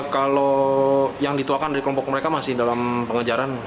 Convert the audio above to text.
kalau yang dituakan dari kelompok mereka masih dalam pengejaran